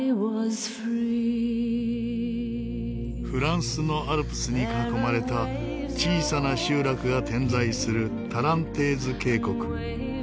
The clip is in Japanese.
フランスのアルプスに囲まれた小さな集落が点在するタランテーズ渓谷。